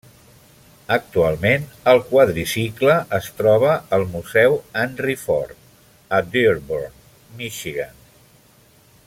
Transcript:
Actualment, el quadricicle es troba al Museu Henry Ford, a Dearborn, Michigan.